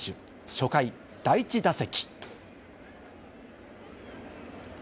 初回の第１打席。